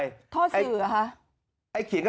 ข้อสื่อหรือคะ